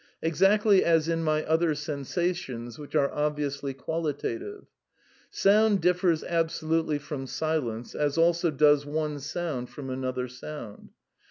Exactly as in my other sensations which are obviously qualitative. " Sound differs absolutely from silence, as also does one sound from another sound.